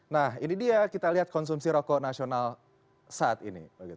nah ini dia kita lihat konsumsi rokok nasional saat ini